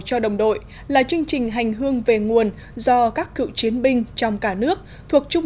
cho đồng đội là chương trình hành hương về nguồn do các cựu chiến binh trong cả nước thuộc trung